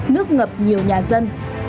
nước ngập nhiều nhà dân